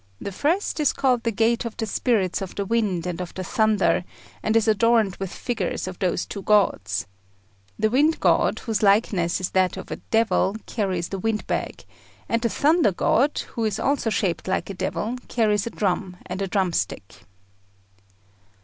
The first is called the Gate of the Spirits of the Wind and of the Thunder, and is adorned with figures of those two gods. The Wind god, whose likeness is that of a devil, carries the wind bag; and the Thunder god, who is also shaped like a devil, carries a drum and a drumstick.